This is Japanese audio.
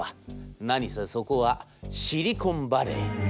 何せそこはシリコンバレー。